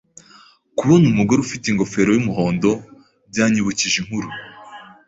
Kubona umugore ufite ingofero yumuhondo byanyibukije inkuru.